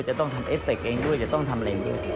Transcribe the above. จะต้องทำเอฟเตรกเองด้วยจะต้องทำอะไรด้วย